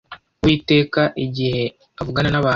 Uwiteka igihe avugana n’abantu